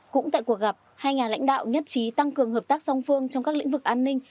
cũng tại cuộc gặp hai nhà lãnh đạo nhất trí tăng cường hợp tác song phương trong các lĩnh vực an ninh